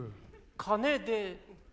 金で。